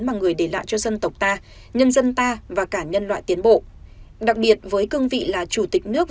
mà người để lại cho dân tộc ta nhân dân ta và cả nhân loại tiến bộ đặc biệt với cương vị là chủ tịch nước